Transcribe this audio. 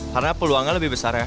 karena peluangnya lebih besar ya